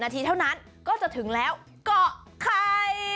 นาทีเท่านั้นก็จะถึงแล้วเกาะไข่